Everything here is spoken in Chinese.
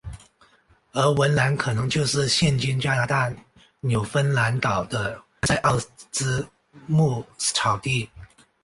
而文兰可能就是现今加拿大纽芬兰岛的兰塞奥兹牧草地。